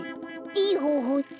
いいほうほうって？